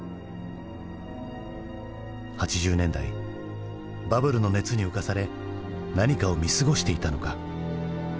８０年代バブルの熱に浮かされ何かを見過ごしていたのか？